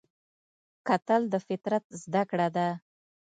کتل د فطرت زده کړه ده